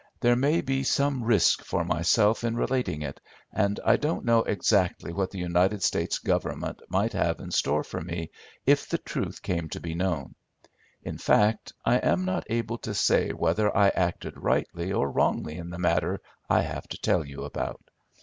There may be some risk for myself in relating it, and I don't know exactly what the United States Government might have in store for me if the truth came to be known. In fact, I am not able to say whether I acted rightly or wrongly in the matter I have to tell you about.